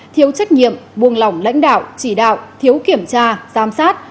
thiếu trách nhiệm buông lỏng lãnh đạo chỉ đạo thiếu kiểm tra giám sát